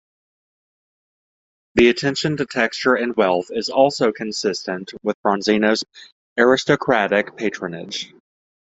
The attention to texture and wealth is also consistent with Bronzino's aristocratic patronage.